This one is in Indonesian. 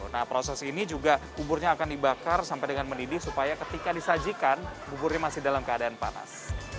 nah proses ini juga buburnya akan dibakar sampai dengan mendidih supaya ketika disajikan buburnya masih dalam keadaan panas